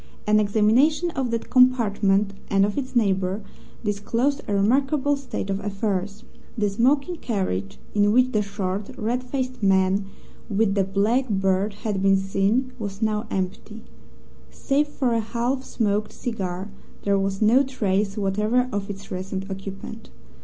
An examination of that compartment, and of its neighbour, disclosed a remarkable state of affairs. The smoking carriage in which the short, red faced man with the black beard had been seen was now empty. Save for a half smoked cigar, there was no trace whatever of its recent occupant.